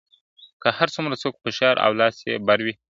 که هر څومره څوک هوښیار او لاس یې بر وي ,